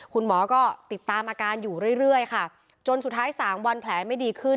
คุณหมอก็ติดตามอาการอยู่เรื่อยค่ะจนสุดท้ายสามวันแผลไม่ดีขึ้น